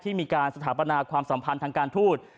มีการสถาปนาความสัมพันธ์ทางการทูต